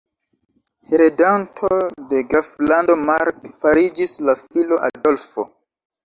Heredanto de Graflando Mark fariĝis la filo Adolfo.